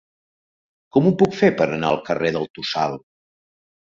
Com ho puc fer per anar al carrer del Tossal?